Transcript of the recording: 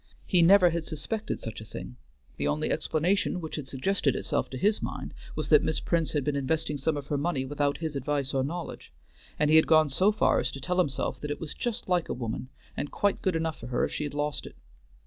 He never had suspected such a thing; the only explanation which had suggested itself to his mind was that Miss Prince had been investing some of her money without his advice or knowledge, and he had gone so far as to tell himself that it was just like a woman, and quite good enough for her if she had lost it.